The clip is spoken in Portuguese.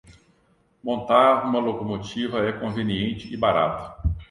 Montar uma locomotiva é conveniente e barato